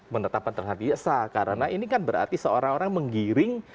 penetapan tersangka karena ini kan berarti seorang orang menggiri penyidikan yang tidak sah